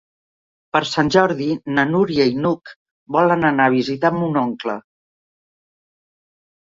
Per Sant Jordi na Núria i n'Hug volen anar a visitar mon oncle.